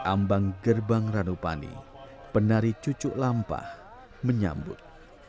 ambang gerbang ranupani penari cucuk lampah menyambut